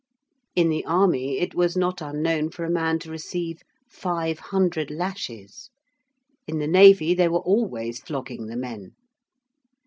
In the army it was not unknown for a man to receive 500 lashes: in the navy they were always flogging the men.